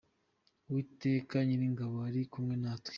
Uwiteka Nyiringabo ari kumwe natwe